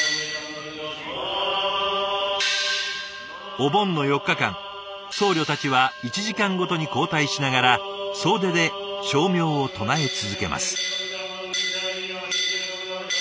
お盆の４日間僧侶たちは１時間ごとに交代しながら総出で声明を唱え続けます。